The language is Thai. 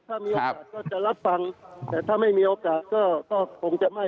ถ้ามีโอกาสก็จะรับฟังแต่ถ้าไม่มีโอกาสก็คงจะไม่